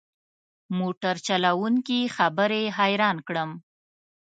موټر چلوونکي خبرې حیران کړم.